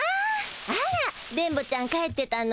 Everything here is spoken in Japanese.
あら電ボちゃん帰ってたの？